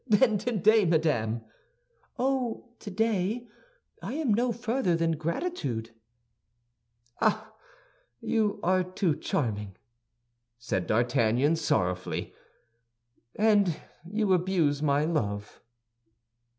"Then today, madame—" "Oh, today, I am no further than gratitude." "Ah! You are too charming," said D'Artagnan, sorrowfully; "and you abuse my love."